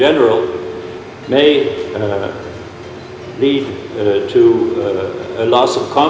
kepercayaan di bagian publik secara umum